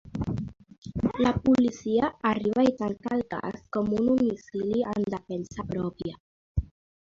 La policia arriba i tanca el cas com un homicidi en defensa pròpia.